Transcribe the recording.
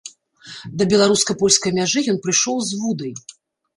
Да беларуска-польскай мяжы ён прыйшоў з вудай.